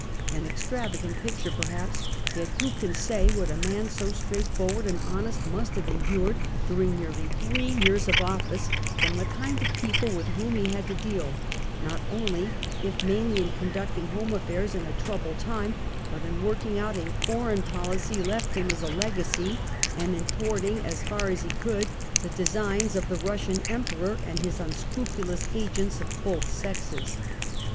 An extravagant picture, perhaps ; yet who can say what a man so straightforward and honest must have endured during nearly three years of office from the kind of people with whom he had to deal, not only, if mainly, in conducting home affairs in a troubled time, but in working out a foreign policy left him as a legacy, and in thwarting, so far as he could, the designs of the Hussian Emperor and his unscrupulous agents of both sexes.